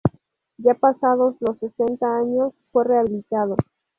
Ya pasados los sesenta años, fue rehabilitado.